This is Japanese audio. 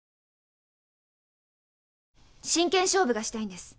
真剣勝負がしたいんです。